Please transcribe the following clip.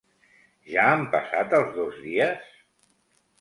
Ja han passat els dos dies?